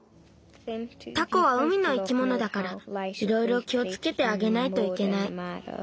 タコは海の生き物だからいろいろ気をつけてあげないといけない。